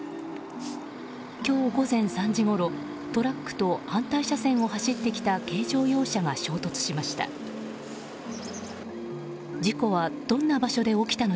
今日午前３時ごろ、トラックと反対車線を走ってきた軽乗用車が衝突しました。